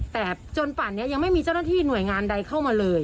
แต่จนป่านนี้ยังไม่มีเจ้าหน้าที่หน่วยงานใดเข้ามาเลย